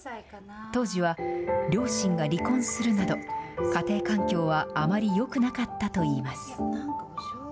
当時は、両親が離婚するなど、家庭環境はあまりよくなかったといいます。